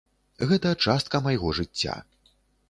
Гэта частка майго жыцця.